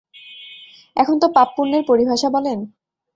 এখনতো পাপ-পুন্যের পরিভাষা বলেন।